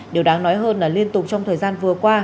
điều đáng nói hơn là liên tục trong thời gian vừa qua